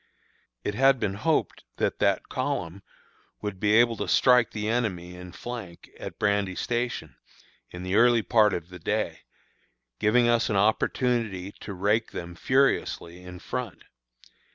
It had been hoped that that column would be able to strike the enemy in flank at Brandy Station, in the early part of the day, giving us an opportunity to rake them furiously in front.